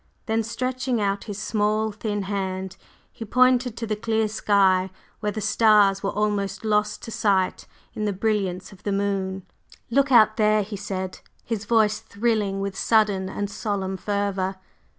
Then, stretching out his small, thin hand, he pointed to the clear sky, where the stars were almost lost to sight in the brilliance of the moon. "Look out there!" he said, his voice thrilling with sudden and solemn fervor.